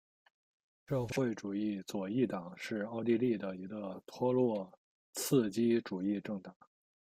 社会主义左翼党是奥地利的一个托洛茨基主义政党。